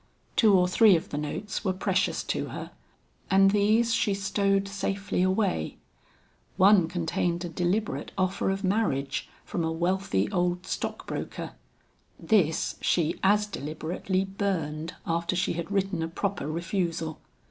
Two or three of the notes were precious to her and these she stowed safely away, one contained a deliberate offer of marriage from a wealthy old stock broker; this she as deliberately burned after she had written a proper refusal.